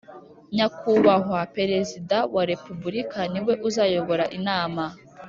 Nyakubahwa Perezida wa Repubulika niwe uzayobora inama.